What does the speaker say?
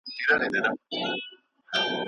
چې برېښنا نه وای نو رڼا به نهوه